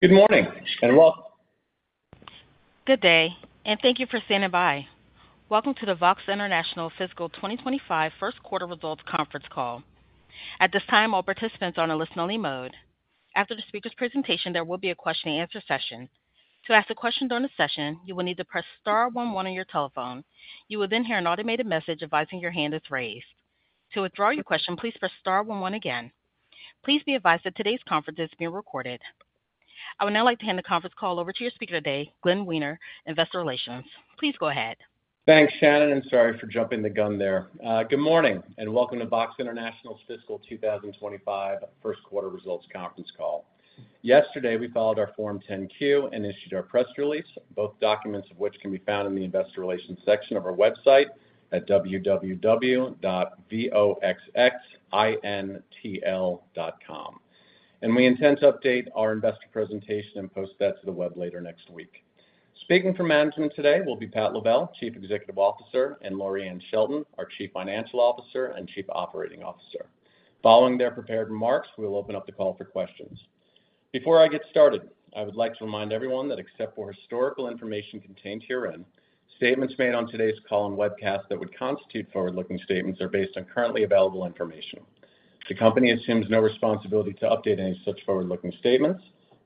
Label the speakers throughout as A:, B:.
A: Good morning, and welcome!
B: Good day, and thank you for standing by. Welcome to the VOXX International Fiscal 2025 First Quarter Results Conference Call. At this time, all participants are on a listen-only mode. After the speaker's presentation, there will be a question-and-answer session. To ask a question during the session, you will need to press star one one on your telephone. You will then hear an automated message advising your hand is raised. To withdraw your question, please press star one one again. Please be advised that today's conference is being recorded. I would now like to hand the conference call over to your speaker today, Glenn Wiener, Investor Relations. Please go ahead.
A: Thanks, Shannon, and sorry for jumping the gun there. Good morning, and welcome to VOXX International's Fiscal 2025 First Quarter Results Conference Call. Yesterday, we filed our Form 10-Q and issued our press release, both documents of which can be found in the Investor Relations section of our website at www.VOXXxintl.com. We intend to update our investor presentation and post that to the web later next week. Speaking for management today will be Pat Lavelle, Chief Executive Officer, and Loriann Shelton, our Chief Financial Officer and Chief Operating Officer. Following their prepared remarks, we will open up the call for questions. Before I get started, I would like to remind everyone that except for historical information contained herein, statements made on today's call and webcast that would constitute forward-looking statements are based on currently available information. The company assumes no responsibility to update any such forward-looking statements,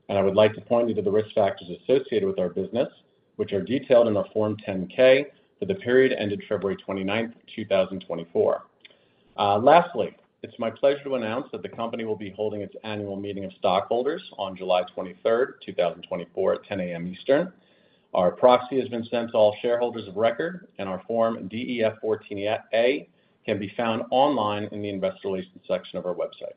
A: and I would like to point you to the risk factors associated with our business, which are detailed in our Form 10-K for the period ended February 29, 2024. Lastly, it's my pleasure to announce that the company will be holding its annual meeting of stockholders on July 23, 2024, at 10 A.M. Eastern. Our proxy has been sent to all shareholders of record, and our Form DEF 14A can be found online in the Investor Relations section of our website.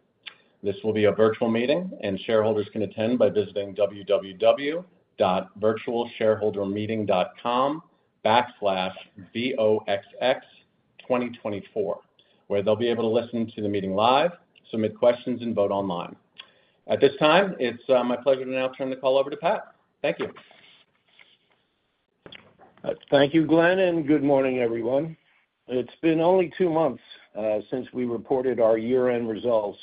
A: This will be a virtual meeting, and shareholders can attend by visiting www.virtualshareholdermeeting.com/VOXX 2024, where they'll be able to listen to the meeting live, submit questions, and vote online. At this time, it's my pleasure to now turn the call over to Pat. Thank you.
C: Thank you, Glenn, and good morning, everyone. It's been only two months since we reported our year-end results,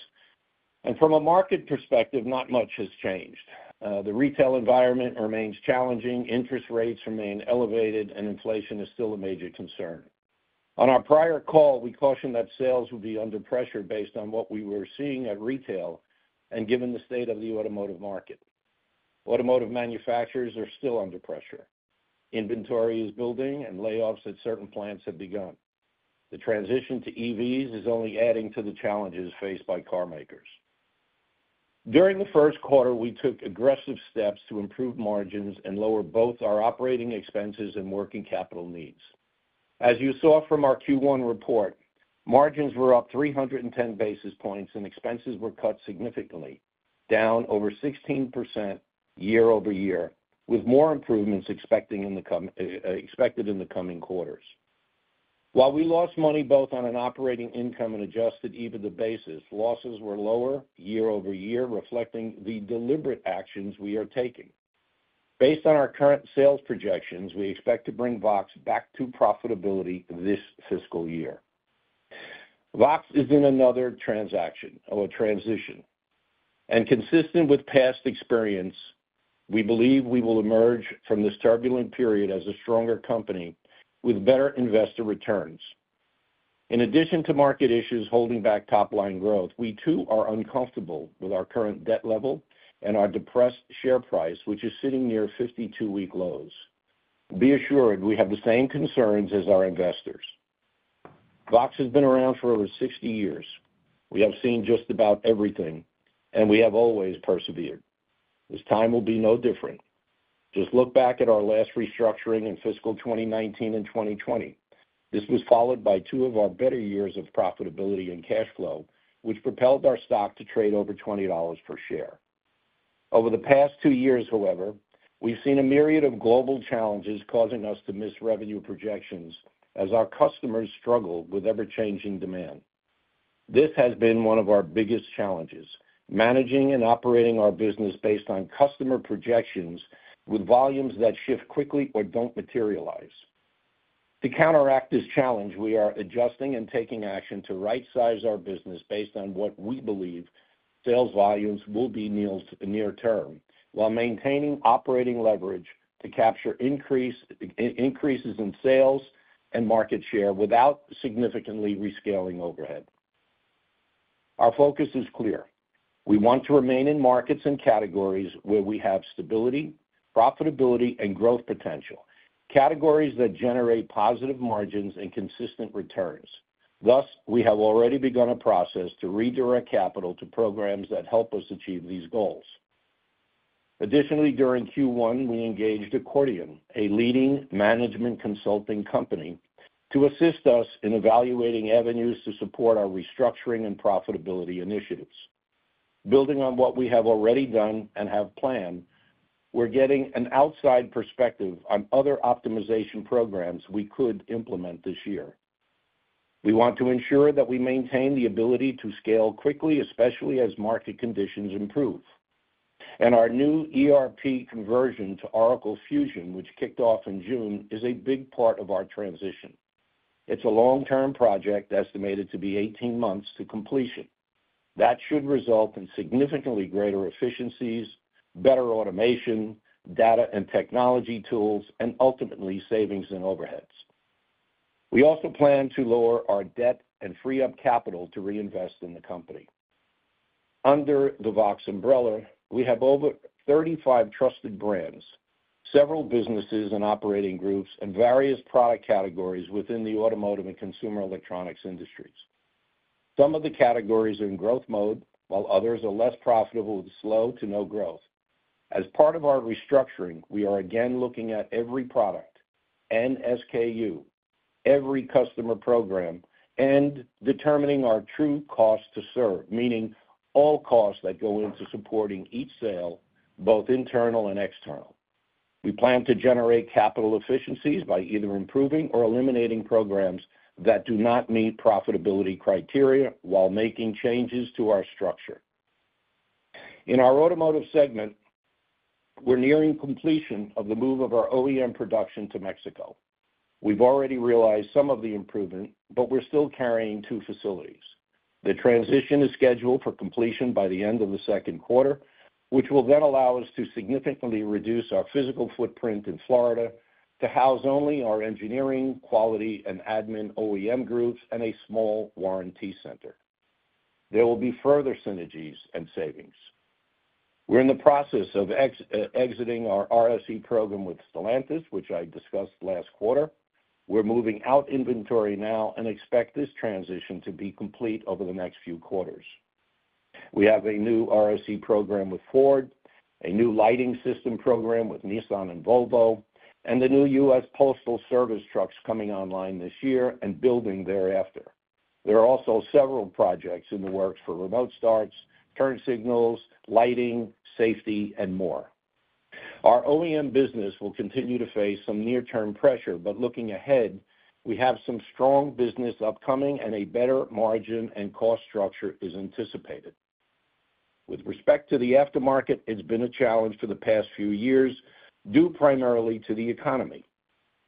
C: and from a market perspective, not much has changed. The retail environment remains challenging, interest rates remain elevated, and inflation is still a major concern. On our prior call, we cautioned that sales would be under pressure based on what we were seeing at retail and given the state of the automotive market. Automotive manufacturers are still under pressure. Inventory is building, and layoffs at certain plants have begun. The transition to EVs is only adding to the challenges faced by carmakers. During the first quarter, we took aggressive steps to improve margins and lower both our operating expenses and working capital needs. As you saw from our Q1 report, margins were up 310 basis points and expenses were cut significantly, down over 16% year-over-year, with more improvements expected in the coming quarters. While we lost money, both on an operating income and Adjusted EBITDA basis, losses were lower year-over-year, reflecting the deliberate actions we are taking. Based on our current sales projections, we expect to bring VOXXX back to profitability this fiscal year. VOXXX is in another transaction or transition, and consistent with past experience, we believe we will emerge from this turbulent period as a stronger company with better investor returns. In addition to market issues holding back top-line growth, we too are uncomfortable with our current debt level and our depressed share price, which is sitting near 52-week lows. Be assured, we have the same concerns as our investors. VOXXX has been around for over 60 years. We have seen just about everything, and we have always persevered. This time will be no different. Just look back at our last restructuring in fiscal 2019 and 2020. This was followed by two of our better years of profitability and cash flow, which propelled our stock to trade over $20 per share. Over the past two years, however, we've seen a myriad of global challenges causing us to miss revenue projections as our customers struggle with ever-changing demand. This has been one of our biggest challenges: managing and operating our business based on customer projections with volumes that shift quickly or don't materialize. To counteract this challenge, we are adjusting and taking action to right size our business based on what we believe sales volumes will be near term, while maintaining operating leverage to capture increases in sales and market share without significantly rescaling overhead. Our focus is clear. We want to remain in markets and categories where we have stability, profitability, and growth potential, categories that generate positive margins and consistent returns. Thus, we have already begun a process to redirect capital to programs that help us achieve these goals. Additionally, during Q1, we engaged Accordion, a leading management consulting company, to assist us in evaluating avenues to support our restructuring and profitability initiatives. Building on what we have already done and have planned, we're getting an outside perspective on other optimization programs we could implement this year. We want to ensure that we maintain the ability to scale quickly, especially as market conditions improve. Our new ERP conversion to Oracle Fusion, which kicked off in June, is a big part of our transition... It's a long-term project, estimated to be 18 months to completion. That should result in significantly greater efficiencies, better automation, data and technology tools, and ultimately, savings in overheads. We also plan to lower our debt and free up capital to reinvest in the company. Under the VOXX umbrella, we have over 35 trusted brands, several businesses and operating groups, and various product categories within the automotive and consumer electronics industries. Some of the categories are in growth mode, while others are less profitable with slow to no growth. As part of our restructuring, we are again looking at every product and SKU, every customer program, and determining our true cost to serve, meaning all costs that go into supporting each sale, both internal and external. We plan to generate capital efficiencies by either improving or eliminating programs that do not meet profitability criteria while making changes to our structure. In our automotive segment, we're nearing completion of the move of our OEM production to Mexico. We've already realized some of the improvement, but we're still carrying two facilities. The transition is scheduled for completion by the end of the second quarter, which will then allow us to significantly reduce our physical footprint in Florida to house only our engineering, quality, and admin OEM groups and a small warranty center. There will be further synergies and savings. We're in the process of exiting our RSE program with Stellantis, which I discussed last quarter. We're moving out inventory now and expect this transition to be complete over the next few quarters. We have a new RSE program with Ford, a new lighting system program with Nissan and Volvo, and the new United States Postal Service trucks coming online this year and building thereafter. There are also several projects in the works for remote starts, turn signals, lighting, safety, and more. Our OEM business will continue to face some near-term pressure, but looking ahead, we have some strong business upcoming and a better margin and cost structure is anticipated. With respect to the aftermarket, it's been a challenge for the past few years, due primarily to the economy.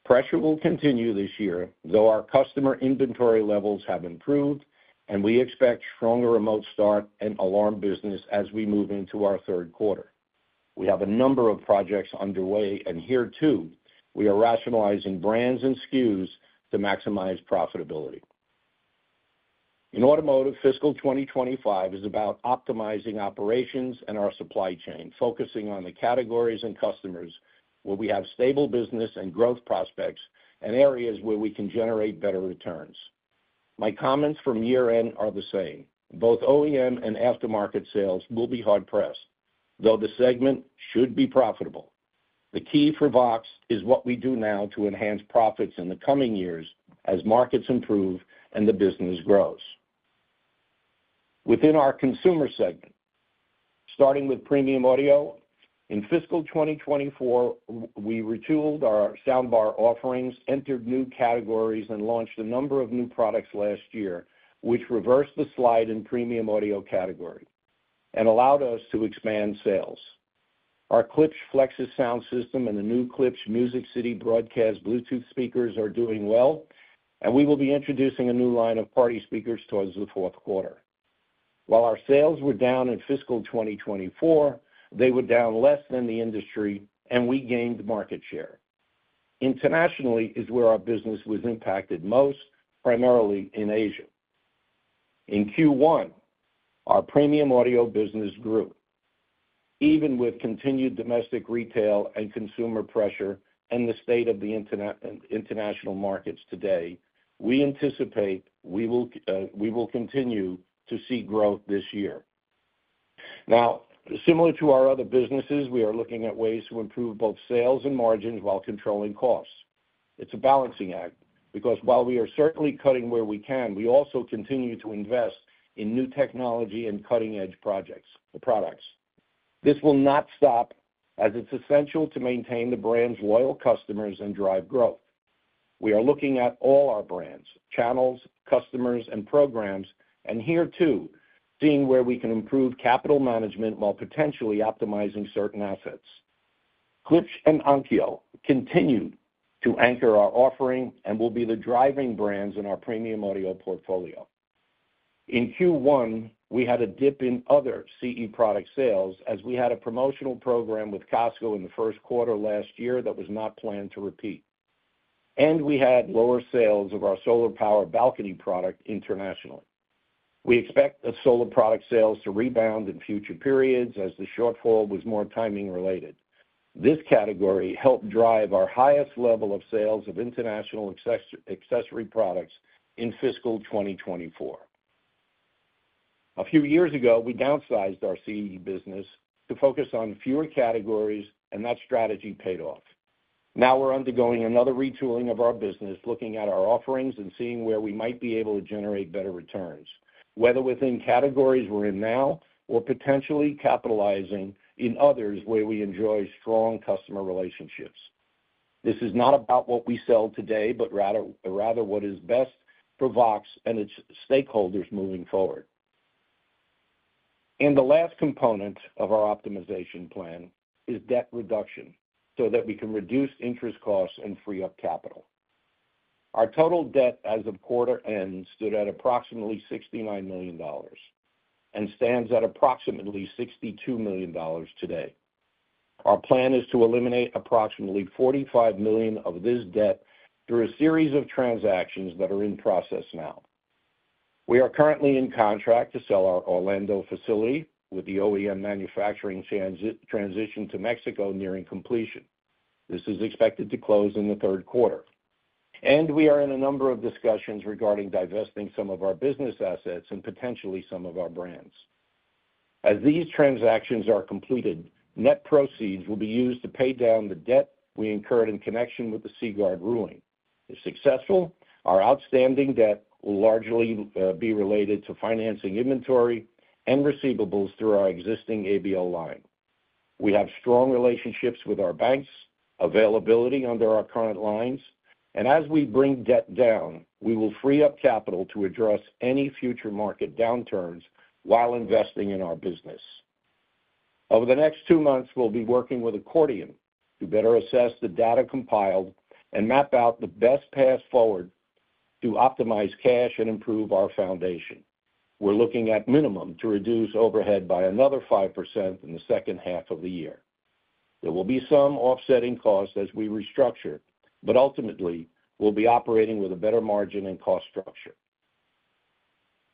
C: Pressure will continue this year, though our customer inventory levels have improved and we expect stronger remote start and alarm business as we move into our third quarter. We have a number of projects underway, and here, too, we are rationalizing brands and SKUs to maximize profitability. In automotive, fiscal 2025 is about optimizing operations and our supply chain, focusing on the categories and customers where we have stable business and growth prospects and areas where we can generate better returns. My comments from year-end are the same. Both OEM and aftermarket sales will be hard pressed, though the segment should be profitable. The key for VOXXX is what we do now to enhance profits in the coming years as markets improve and the business grows. Within our consumer segment, starting with premium audio, in fiscal 2024, we retooled our soundbar offerings, entered new categories, and launched a number of new products last year, which reversed the slide in premium audio category and allowed us to expand sales. Our Klipsch Flexus sound system and the new Klipsch Music City Broadcast Bluetooth speakers are doing well, and we will be introducing a new line of party speakers towards the fourth quarter. While our sales were down in fiscal 2024, they were down less than the industry, and we gained market share. Internationally is where our business was impacted most, primarily in Asia. In Q1, our premium audio business grew. Even with continued domestic, retail, and consumer pressure and the state of the international markets today, we anticipate we will continue to see growth this year. Now, similar to our other businesses, we are looking at ways to improve both sales and margins while controlling costs. It's a balancing act, because while we are certainly cutting where we can, we also continue to invest in new technology and cutting-edge projects, products. This will not stop, as it's essential to maintain the brand's loyal customers and drive growth. We are looking at all our brands, channels, customers, and programs, and here, too, seeing where we can improve capital management while potentially optimizing certain assets. Klipsch and Onkyo continue to anchor our offering and will be the driving brands in our premium audio portfolio. In Q1, we had a dip in other CE product sales as we had a promotional program with Costco in the first quarter last year that was not planned to repeat, and we had lower sales of our solar-powered balcony product internationally. We expect the solar product sales to rebound in future periods as the shortfall was more timing related. This category helped drive our highest level of sales of international accessory products in fiscal 2024. A few years ago, we downsized our CE business to focus on fewer categories, and that strategy paid off. Now we're undergoing another retooling of our business, looking at our offerings and seeing where we might be able to generate better returns, whether within categories we're in now or potentially capitalizing in others where we enjoy strong customer relationships. This is not about what we sell today, but rather, rather what is best for VOXXX and its stakeholders moving forward. The last component of our optimization plan is debt reduction, so that we can reduce interest costs and free up capital. Our total debt as of quarter end stood at approximately $69 million, and stands at approximately $62 million today. Our plan is to eliminate approximately $45 million of this debt through a series of transactions that are in process now. We are currently in contract to sell our Orlando facility, with the OEM manufacturing transition to Mexico nearing completion. This is expected to close in the third quarter. We are in a number of discussions regarding divesting some of our business assets and potentially some of our brands. As these transactions are completed, net proceeds will be used to pay down the debt we incurred in connection with the Seaguard ruling. If successful, our outstanding debt will largely be related to financing inventory and receivables through our existing ABL line. We have strong relationships with our banks, availability under our current lines, and as we bring debt down, we will free up capital to address any future market downturns while investing in our business. Over the next two months, we'll be working with Accordion to better assess the data compiled and map out the best path forward to optimize cash and improve our foundation. We're looking at minimum to reduce overhead by another 5% in the second half of the year. There will be some offsetting costs as we restructure, but ultimately, we'll be operating with a better margin and cost structure.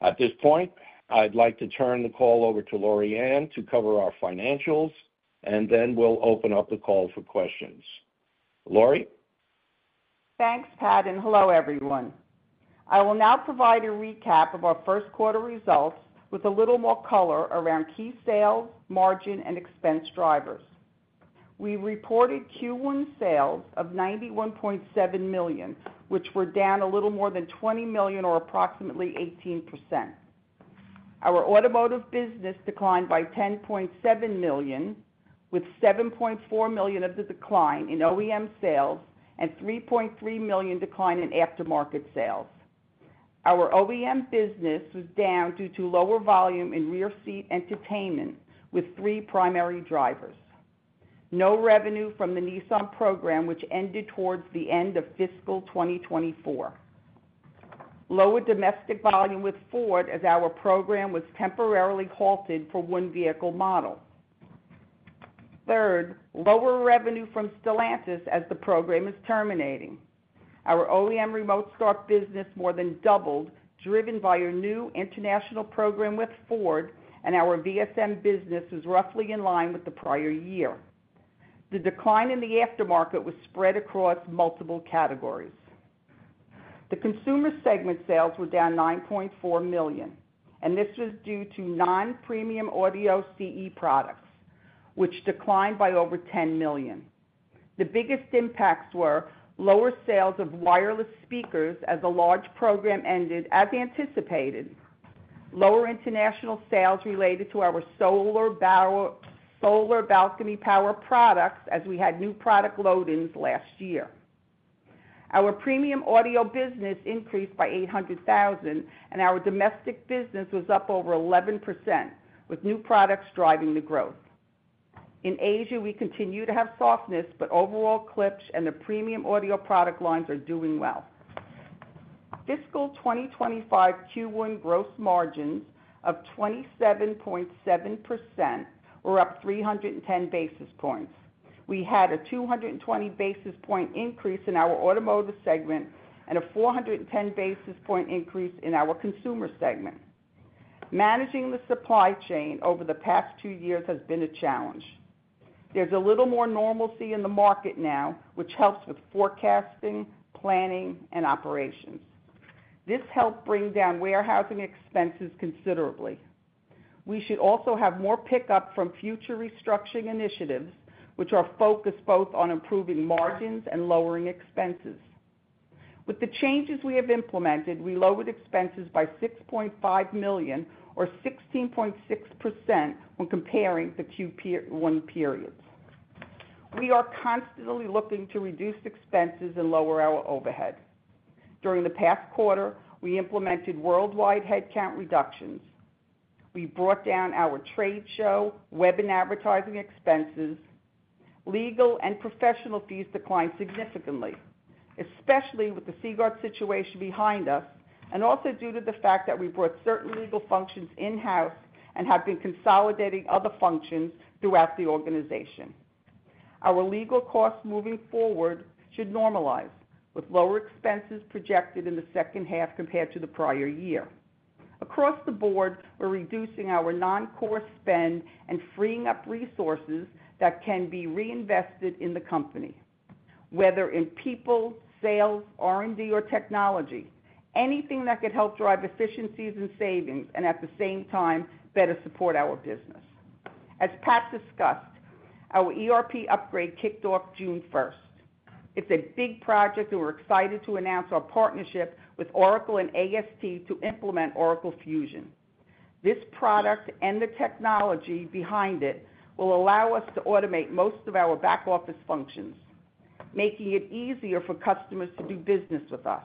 C: At this point, I'd like to turn the call over to Loriann to cover our financials, and then we'll open up the call for questions. Loriann?
D: Thanks, Pat, and hello, everyone. I will now provide a recap of our first quarter results with a little more color around key sales, margin, and expense drivers. We reported Q1 sales of $91.7 million, which were down a little more than $20 million or approximately 18%. Our automotive business declined by $10.7 million, with $7.4 million of the decline in OEM sales and $3.3 million decline in aftermarket sales. Our OEM business was down due to lower volume in rear seat entertainment, with three primary drivers. No revenue from the Nissan program, which ended towards the end of fiscal 2024. Lower domestic volume with Ford, as our program was temporarily halted for one vehicle model. Third, lower revenue from Stellantis as the program is terminating. Our OEM remote start business more than doubled, driven by a new international program with Ford, and our VSM business was roughly in line with the prior year. The decline in the aftermarket was spread across multiple categories. The consumer segment sales were down $9.4 million, and this was due to non-premium audio CE products, which declined by over $10 million. The biggest impacts were lower sales of wireless speakers as a large program ended, as anticipated. Lower international sales related to our solar balcony power products, as we had new product load-ins last year. Our premium audio business increased by $800,000, and our domestic business was up over 11%, with new products driving the growth. In Asia, we continue to have softness, but overall, Klipsch and the premium audio product lines are doing well. Fiscal 2025 Q1 gross margins of 27.7% were up 310 basis points. We had a 220 basis point increase in our automotive segment and a 410 basis point increase in our consumer segment. Managing the supply chain over the past two years has been a challenge. There's a little more normalcy in the market now, which helps with forecasting, planning, and operations. This helped bring down warehousing expenses considerably. We should also have more pickup from future restructuring initiatives, which are focused both on improving margins and lowering expenses. With the changes we have implemented, we lowered expenses by $6.5 million or 16.6% when comparing the Q1 periods. We are constantly looking to reduce expenses and lower our overhead. During the past quarter, we implemented worldwide headcount reductions. We brought down our trade show, web and advertising expenses. Legal and professional fees declined significantly, especially with the Seaguard situation behind us, and also due to the fact that we brought certain legal functions in-house and have been consolidating other functions throughout the organization. Our legal costs moving forward should normalize, with lower expenses projected in the second half compared to the prior year. Across the board, we're reducing our non-core spend and freeing up resources that can be reinvested in the company, whether in people, sales, R&D, or technology, anything that could help drive efficiencies and savings, and at the same time, better support our business. As Pat discussed, our ERP upgrade kicked off June first. It's a big project, and we're excited to announce our partnership with Oracle and AST to implement Oracle Fusion. This product and the technology behind it will allow us to automate most of our back-office functions, making it easier for customers to do business with us.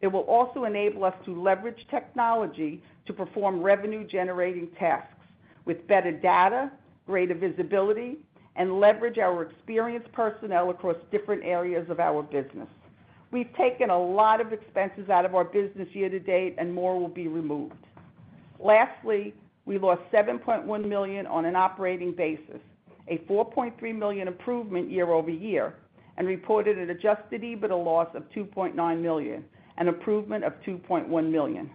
D: It will also enable us to leverage technology to perform revenue-generating tasks with better data, greater visibility, and leverage our experienced personnel across different areas of our business. We've taken a lot of expenses out of our business year-to-date, and more will be removed. Lastly, we lost $7.1 million on an operating basis, a $4.3 million improvement year-over-year, and reported an Adjusted EBITDA loss of $2.9 million, an improvement of $2.1 million.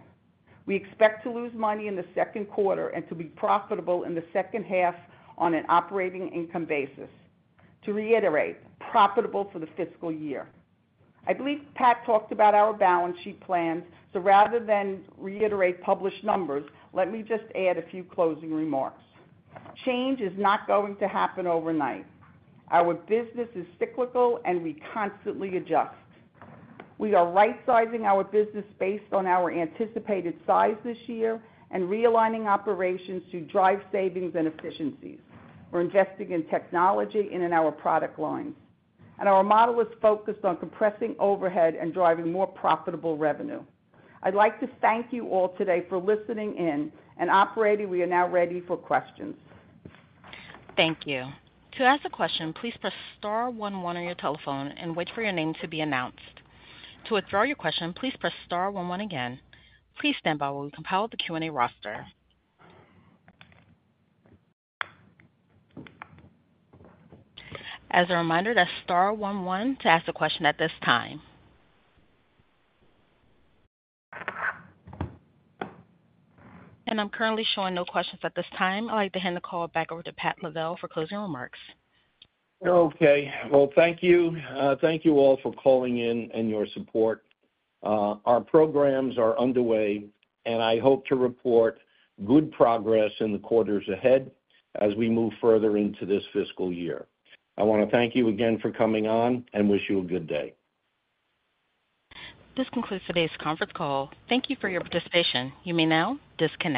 D: We expect to lose money in the second quarter and to be profitable in the second half on an operating income basis. To reiterate, profitable for the fiscal year. I believe Pat talked about our balance sheet plans, so rather than reiterate published numbers, let me just add a few closing remarks. Change is not going to happen overnight. Our business is cyclical, and we constantly adjust. We are rightsizing our business based on our anticipated size this year and realigning operations to drive savings and efficiencies. We're investing in technology and in our product lines, and our model is focused on compressing overhead and driving more profitable revenue. I'd like to thank you all today for listening in, and operator, we are now ready for questions.
B: Thank you. To ask a question, please press star one one on your telephone and wait for your name to be announced. To withdraw your question, please press star one one again. Please stand by while we compile the Q&A roster. As a reminder, that's star one one to ask a question at this time. I'm currently showing no questions at this time. I'd like to hand the call back over to Pat Lavelle for closing remarks.
C: Okay. Well, thank you. Thank you all for calling in and your support. Our programs are underway, and I hope to report good progress in the quarters ahead as we move further into this fiscal year. I wanna thank you again for coming on and wish you a good day.
B: This concludes today's conference call. Thank you for your participation. You may now disconnect.